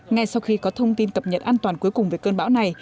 ngay sau khi có thông tin cập nhật an toàn cuối cùng về cơn bão này